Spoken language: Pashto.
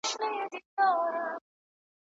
د پایزیب د شرنګ په ژبه هم خبر دی